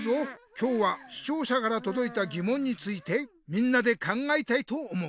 今日はしちょうしゃからとどいたぎもんについてみんなで考えたいと思う。